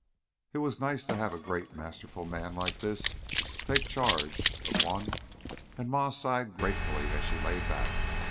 It was nice to have a great, masterful man like this take charge of one, and Ma sighed gratefully as she lay back.